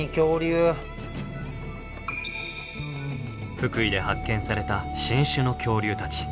福井で発見された新種の恐竜たち。